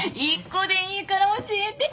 １個でいいから教えて。